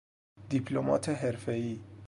دیپلمات حرفهای